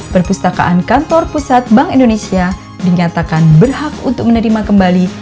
perpustakaan kantor pusat bank indonesia dinyatakan berhak untuk menerima kembali